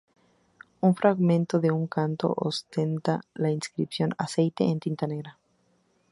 Un fragmento de un cántaro ostenta la inscripción "aceite" en tinta negra.